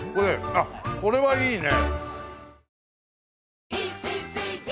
あっこれはいいね。